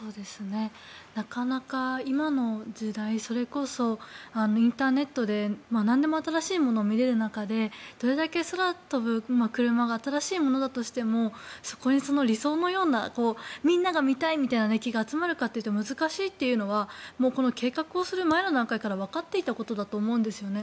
なかなか今の時代それこそインターネットでなんでも新しいものを見れる中でどれだけ空飛ぶクルマが新しいものだとしてもそこに理想のようなみんなが見たいみたいな熱気が集まるかというのは難しいというのはこの計画をする前の段階からわかっていたことだと思うんですね。